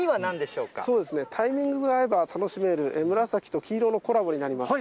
そのそうですね、タイミングが合えば楽しめる、紫と黄色のコラボになります。